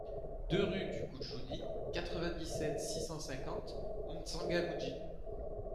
deux rue Koudjouni, quatre-vingt-dix-sept, six cent cinquante, M'Tsangamouji